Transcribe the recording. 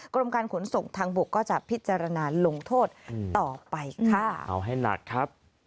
กรมการขนส่งทางบกก็จะพิจารณาลงโทษต่อไปค่ะ